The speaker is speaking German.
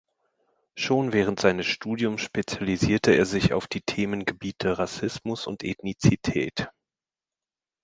Schon während seines Studiums spezialisierte er sich auf die Themengebiete Rassismus und Ethnizität.